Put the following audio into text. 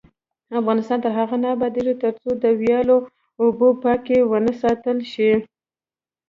افغانستان تر هغو نه ابادیږي، ترڅو د ویالو اوبه پاکې ونه ساتل شي.